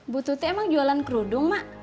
bu tuti emang jualan kerudung mak